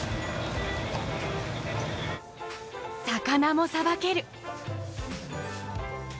魚もさばけ。